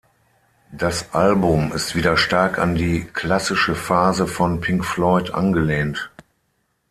Das Album ist wieder stark an die „Klassische Phase“ von Pink Floyd angelehnt.